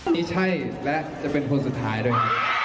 ที่ใช่และจะเป็นคนสุดท้ายด้วย